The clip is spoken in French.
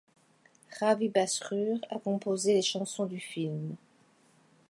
Ravi Basrur a composé les chansons du film.